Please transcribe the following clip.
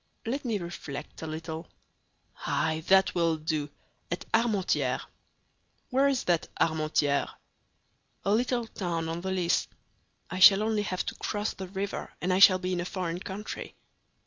"Let me reflect a little! Ay, that will do—at Armentières." "Where is that Armentières?" "A little town on the Lys; I shall only have to cross the river, and I shall be in a foreign country."